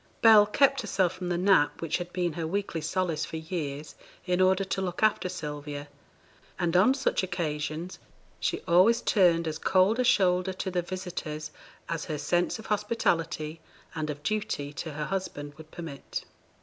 Bell kept herself from the nap which had been her weekly solace for years, in order to look after Sylvia, and on such occasions she always turned as cold a shoulder to the visitors as her sense of hospitality and of duty to her husband would permit.